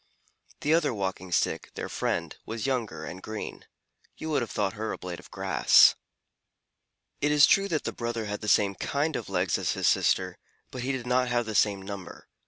The other Walking Stick, their friend, was younger and green. You would have thought her a blade of grass. It is true that the brother had the same kind of legs as his sister, but he did not have the same number.